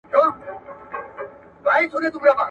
ما خو پرېږده نن رویبار په وینو ژاړي.